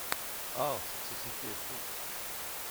Ah! cette société est fausse.